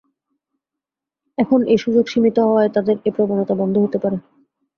এখন এ সুযোগ সীমিত হওয়ায় তাঁদের এ প্রবণতা বন্ধ হতে পারে।